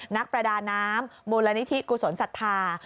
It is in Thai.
นักประดาน้ำมูลนิธิกุศลศรัทธา